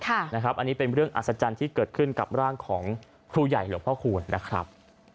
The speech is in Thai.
อันนี้เป็นเรื่องอัศจรรย์ที่เกิดขึ้นกับร่างของครูใหญ่หลวงพ่อคูณนะครับ